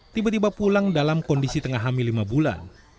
tiba tiba pulang dalam kondisi tengah hamil lima bulan